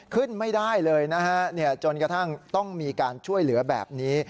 ขึ้นไม่ได้เลยนะฮะจนกระทั่งต้องมีการช่วยเหลือแบบนี้